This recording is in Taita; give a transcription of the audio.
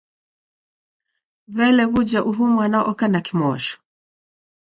W'ele w'uja uhu mwana oka na kimosho?